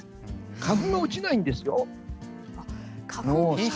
花粉が落ちないんですよ。